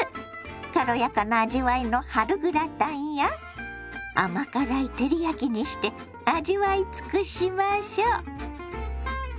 軽やかな味わいの春グラタンや甘辛い照り焼きにして味わい尽くしましょ。